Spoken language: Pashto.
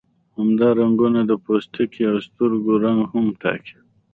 همدا رنګونه د پوستکي او سترګو رنګ هم ټاکي.